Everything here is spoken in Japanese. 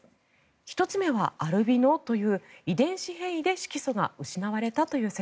１つ目はアルビノという遺伝子変異で色素が失われたという説。